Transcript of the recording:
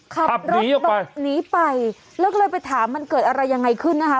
ขับรถหลบหนีไปแล้วก็เลยไปถามมันเกิดอะไรยังไงขึ้นนะคะ